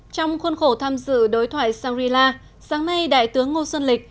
trong khuôn khổ tham dự đối thoại shangri la sáng nay đại tướng ngô xuân lịch